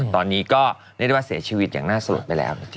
ตอนนี้ก็เรียกได้ว่าเสียชีวิตอย่างน่าสลดไปแล้ว